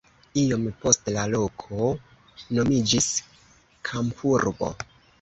Iom poste la loko nomiĝis kampurbo.